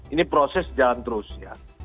ini proses jalan terus ya